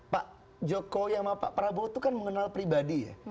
pak jokowi sama pak prabowo itu kan mengenal pribadi ya